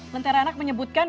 lentera anak menyebutkan